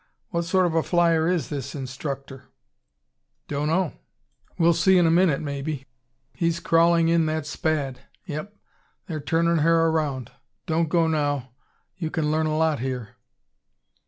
What sort of a flyer is this instructor?" "Dunno. We'll see in a minute, maybe. He's crawling in that Spad. Yep, they're turnin' her around. Don't go now. You can learn a lot here."